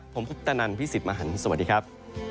ผมคุปตะนันพี่สิทธิ์มหันฯสวัสดีครับ